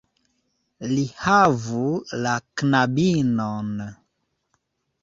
Li havu la knabinon."